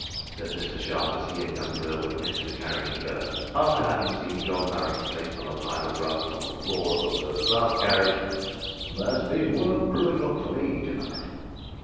"H'm!" said Mr Sharp, as he and young Gurwood entered a carriage together, after having seen John Marrot placed on a pile of rugs on the floor of a first class carriage; "there's been work brewin' up for me to night."